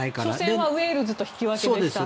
初戦はウェールズと引き分けでした。